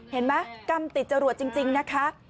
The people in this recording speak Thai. เห็นไหมกรรมติดจรวดจริงนะคะ